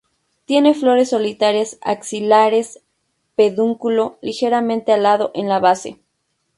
Tiene flores solitarias axilares; pedúnculo ligeramente alado en la base.